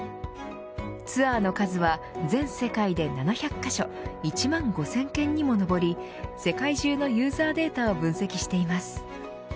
ツアーの数は全世界で７００カ所１万５０００件にも上り世界中のユーザーデータを分析しています。